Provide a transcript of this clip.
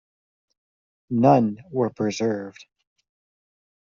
None were Preserved.